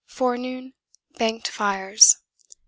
Forenoon, banked fires.